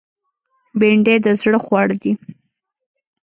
بېنډۍ د زړه خواړه دي